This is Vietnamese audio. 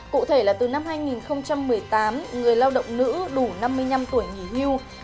cụ thể là từ năm hai nghìn một mươi tám người lao động nữ đủ năm mươi năm tuổi nghỉ hưu